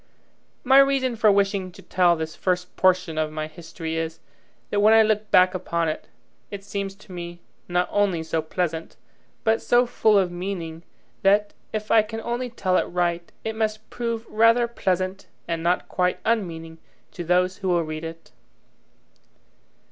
My reason for wishing to tell this first portion of my history is, that when I look back upon it, it seems to me not only so pleasant, but so full of meaning, that, if I can only tell it right, it must prove rather pleasant and not quite unmeaning to those who will read it.